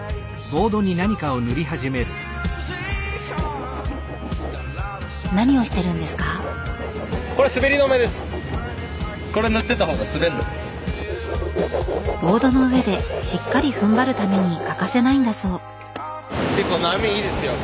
ボードの上でしっかりふんばるために欠かせないんだそう。